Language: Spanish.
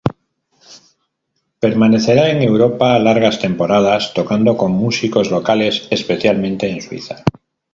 Permanecerá en Europa largas temporadas, tocando con músicos locales, especialmente en Suiza.